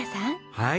はい。